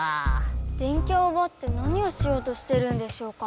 電キャをうばって何をしようとしてるんでしょうか。